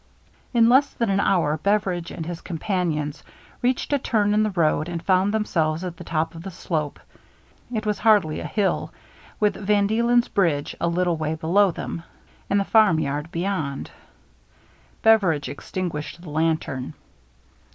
In less than an hour Beveridge and his com panions reached a turn in the road and found themselves at the top of the slope, — it was hardly a hill, — with Van Deelen's bridge a little way below them, and the farm yard be yond. Beveridge extinguished the lantern.